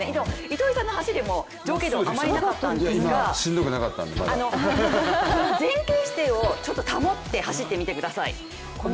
糸井さんの走りも上下動あまりなかったんですが前傾姿勢を保って走ってみてください。